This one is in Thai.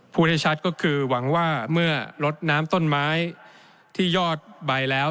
พูดให้ชัดก็คือหวังว่าเมื่อลดน้ำต้นไม้ที่ยอดใบแล้ว